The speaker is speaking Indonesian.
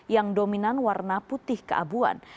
yang dominan warna putih keabuan